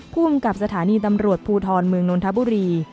ภูมิกับสถานีตำรวจภูทรเมืองนนทบุรี